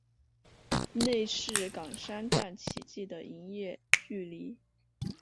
内是冈山站起计的营业距离。